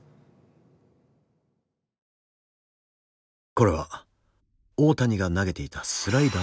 これは大谷が投げていたスライダーの軌道。